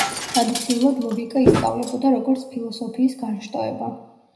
ტრადიციულად ლოგიკა ისწავლებოდა, როგორც ფილოსოფიის განშტოება.